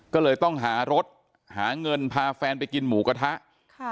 ก็เลยต้องหารถหาเงินพาแฟนไปกินหมูกระทะค่ะ